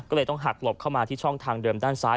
ก็เลยต้องหักหลบเข้ามาที่ช่องทางเดิมด้านซ้าย